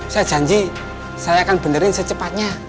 saya janji saya akan benerin secepatnya